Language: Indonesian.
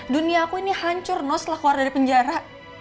dunia aku ini hancur no setelah keluar dari penjara